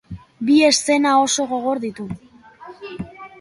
Bi eszena oso gogor ditu.